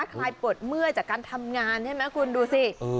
คลายปวดเมื่อยจากการทำงานใช่ไหมคุณดูสิ